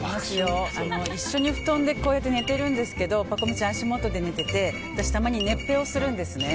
一緒に布団で寝てるんですけどパコ美ちゃん、足元で寝てて私、たまに寝っ屁をするんですね。